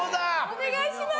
お願いします。